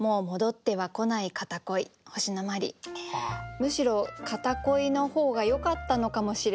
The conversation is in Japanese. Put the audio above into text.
むしろ片恋の方がよかったのかもしれない。